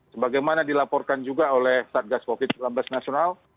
sebagaimana dilaporkan juga oleh satgas covid sembilan belas nasional